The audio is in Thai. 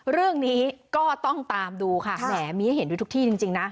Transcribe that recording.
เรื่องนี้ก็ต้องตามดูค่ะแหมมีให้เห็นดูทุกที่จริงนะ